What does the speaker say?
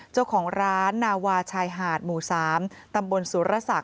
เจ้าของร้านนาวาชายหาดหมู่๓ตำบลสุรศักดิ